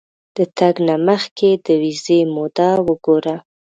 د تګ نه مخکې د ویزې موده وګوره.